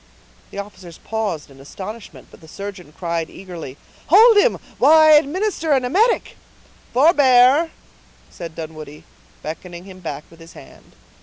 The officers paused in astonishment; but the surgeon cried eagerly,— "Hold him, while I administer an emetic." "Forbear!" said Dunwoodie, beckoning him back with his hand.